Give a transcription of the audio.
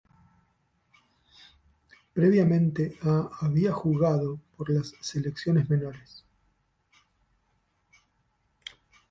Previamente ha había jugado por las selecciones menores.